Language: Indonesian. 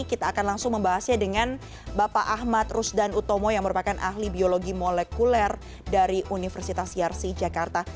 kita akan langsung membahasnya dengan bapak ahmad rusdan utomo yang merupakan ahli biologi molekuler dari universitas yarsi jakarta